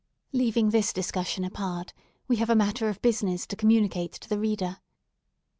Leaving this discussion apart, we have a matter of business to communicate to the reader.